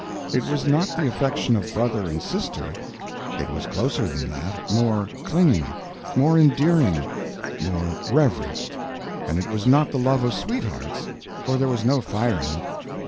It was not the affection of brother and sister it was closer than that, more clinging, more endearing, more reverent; and it was not the love of sweethearts, for there was no fire in it.